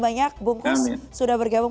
banyak bungkus sudah bergabung